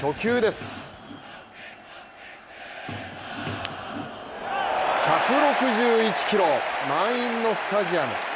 さあ、初球です、１６１キロ、満員のスタジアム。